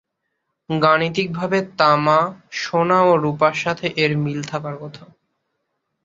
গাণিতিকভাবে তামা, সোনা ও রূপার সাথে এর মিল থাকার কথা।